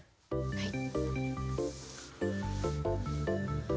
はい。